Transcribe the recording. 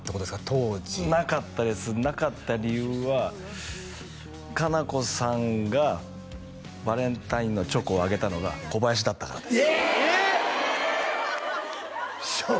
当時なかったですなかった理由はカナコさんがバレンタインのチョコをあげたのが小林だったからですえ！？